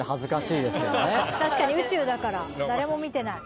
確かに宇宙だから誰も見てない。